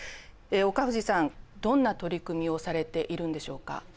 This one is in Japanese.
岡藤さんどんな取り組みをされているんでしょうか。